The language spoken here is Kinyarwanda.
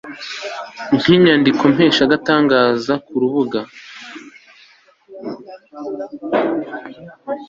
nk inyandikompesha agatangazwa ku rubuga